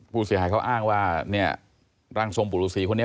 ผู้เสียหายเขาอ้างว่าร่างทรงปู่หรูสีคนนี้